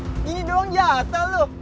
ini doang jatah lo